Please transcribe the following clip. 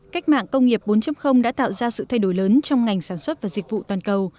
cách mạng công nghiệp bốn đã tạo ra sự thay đổi lớn trong ngành sản xuất và dịch vụ toàn cầu